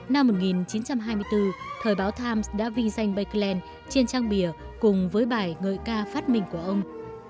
năm một nghìn chín trăm hai mươi bốn thời báo times đã vinh danh bakland trên trang bìa cùng với bài ngợi ca phát minh của ông